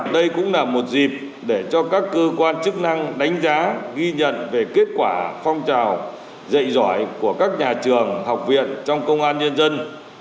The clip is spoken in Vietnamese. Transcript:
đây cũng là một dịp để cho các cơ quan chức năng đánh giá ghi nhận về kết quả phong trào dạy giỏi của các nhà trường học viện trong công an nhân dân